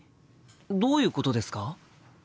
どういうことですか？